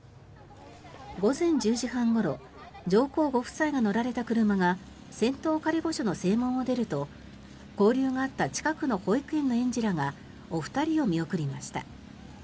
午前１０時半ごろ上皇ご夫妻が乗られた車が仙洞仮御所の正門を出ると交流があった近くの保育園の園児らがお二人を見送りました。